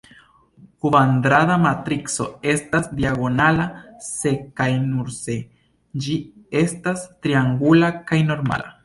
Kvadrata matrico estas diagonala se kaj nur se ĝi estas triangula kaj normala.